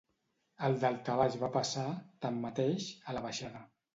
El daltabaix va passar, tanmateix, a la baixada.